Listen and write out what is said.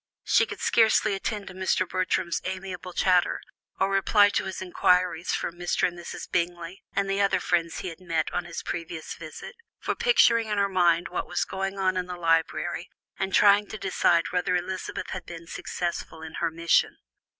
She could scarcely attend to Mr. Bertram's amiable chatter, or reply to his inquiries for Mr. and Mrs. Bingley, and the other friends he had met on his previous visit, for picturing in her mind what was going on in the library and trying to decide whether Elizabeth had been successful in her mission.